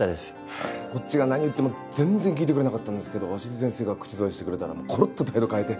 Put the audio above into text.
はぁこっちが何言っても全然聞いてくれなかったんですけど鷲津先生が口添えしてくれたらもうころっと態度変えて。